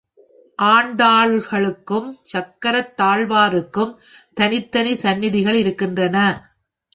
ஆண்டாளுக்கும் சக்கரத் தாழ்வாருக்கும் தனித்தனி சந்நிதிகள் இருக்கின்றன.